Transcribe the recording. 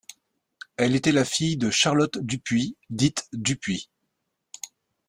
Elle était la fille de Charlotte Dupuis, dite Dupuis.